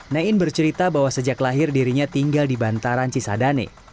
nein bercerita bahwa sejak lahir dirinya tinggal di bantaran cisadane